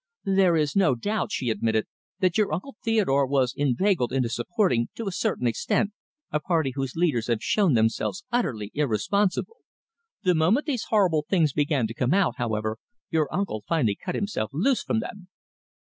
"There is no doubt," she admitted, "that your Uncle Theodore was inveigled into supporting, to a certain extent, a party whose leaders have shown themselves utterly irresponsible. The moment these horrible things began to come out, however, your uncle finally cut himself loose from them."